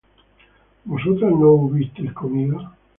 ¿vosotras no hubisteis comido?